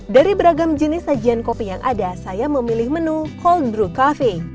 dari beragam jenis sajian kopi yang ada saya memilih menu coldru cafe